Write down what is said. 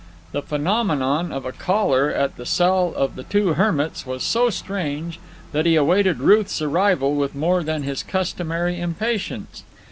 The phenomenon of a caller at the cell of the two hermits was so strange that he awaited Ruth's arrival with more than his customary impatience.